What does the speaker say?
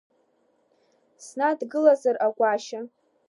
Снадгылазар, агәашьа.